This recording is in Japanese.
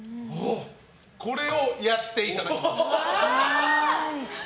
これをやっていただきます。